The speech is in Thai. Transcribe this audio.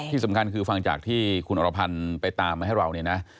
ที่สำคัญคือฟังจากที่คุณอรพันธ์ไปตามมาให้เราเนี่ยนะ